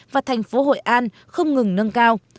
và thành phố hội an không ngừng nâng cao